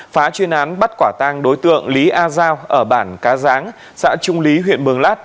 phá chuyên án bắt quả tang đối tượng lý a giao ở bản cá giáng xã trung lý huyện mường lát